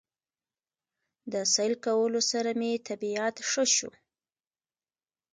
د سېل کولو سره مې طبعيت ښه شو